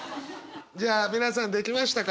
じゃあ皆さんできましたか？